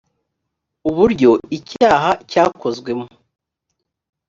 uburyo icyaha cyakozwemo